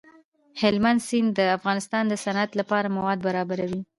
هلمند سیند د افغانستان د صنعت لپاره مواد برابروي.